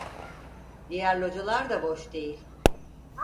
Diğer localar da boş değil.